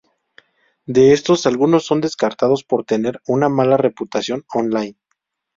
De estos, algunos son descartados por tener una mala reputación online.